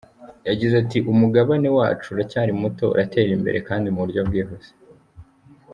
Yagize ati “Umugabane wacu uracyari muto, uratera imbere kandi mu buryo bwihuse.